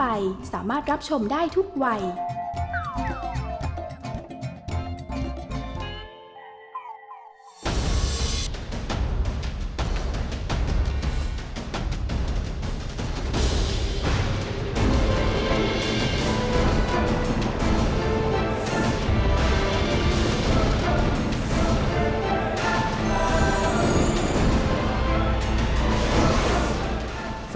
พร้อมครับคุณครับ